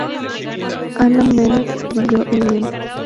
Alan Bennett escribió el guion.